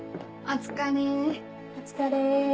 お疲れ。